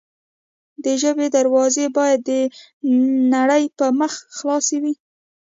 د ژبې دروازې باید د نړۍ پر مخ خلاصې وي.